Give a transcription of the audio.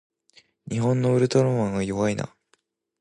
日本のウルトラマンは弱いな